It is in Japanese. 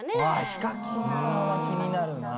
ＨＩＫＡＫＩＮさんは気になるな。